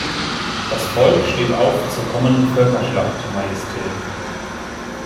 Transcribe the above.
Das Volk steht auf zur kommenden Völkerschlacht, Majestät.